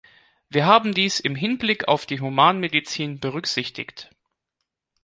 Wir haben dies im Hinblick auf die Humanmedizin berücksichtigt.